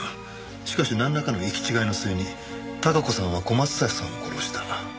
しかしなんらかの行き違いの末に貴子さんは小松崎さんを殺した。